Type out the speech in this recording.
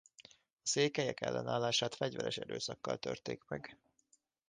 A székelyek ellenállását fegyveres erőszakkal törték meg.